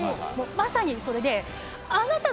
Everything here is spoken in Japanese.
まさにそれで。